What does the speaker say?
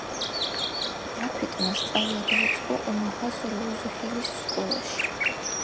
ბაფეტმა სწავლა დაიწყო ომაჰას როუზ ჰილის სკოლაში.